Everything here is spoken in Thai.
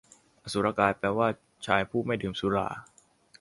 อสุรกาย แปลว่า ชายผู้ไม่ดื่มสุรา